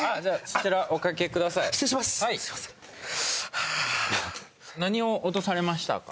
はい何を落とされましたか？